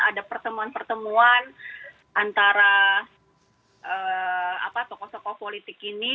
ada pertemuan pertemuan antara tokoh tokoh politik ini